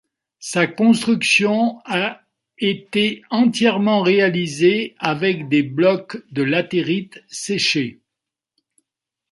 Sa construction a été entièrement réalisée avec des blocs de latérite séchée.